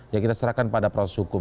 ya kita serahkan pada proses hukum